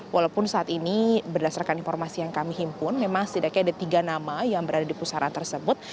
walaupun saat ini berdasarkan informasi yang kami himpun memang setidaknya ada tiga nama yang berada di pusara tersebut